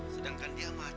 terima kasih bang